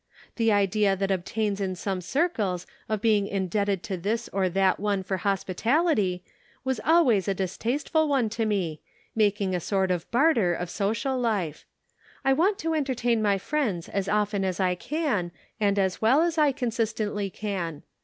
The idea that obtains in some circles of being in debted to this or that one for hospitality, was always a distasteful one to me, making a sort of barter of social life. I want to entertain my friends as often as I can, and as well as I consistently can.